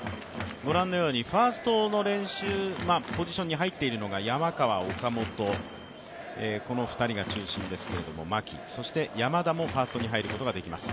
ご覧のようにファーストの練習ポジションに入っているのは山川、岡本、この２人が中心ですけれども、牧、そして山田もファーストに入ることができます。